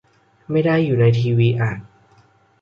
ไม่ได้อยู่ในทีวีอ่ะ